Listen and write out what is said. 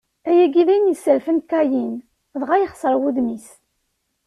Ayagi d ayen yesserfan Kayin, dɣa yexseṛ wudem-is.